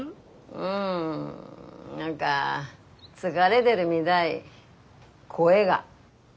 うん何か疲れでるみだい声が。